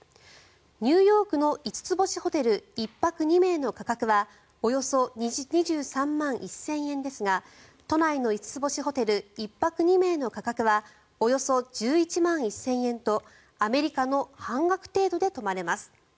ニューヨークの５つ星ホテル１泊２名の価格はおよそ２３万１０００円ですが都内の５つ星ホテル１泊２名の価格はおよそ１１万１０００円とアメリカの半額程度で泊まれます。